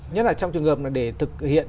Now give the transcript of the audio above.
nhất là trong trường hợp để thực hiện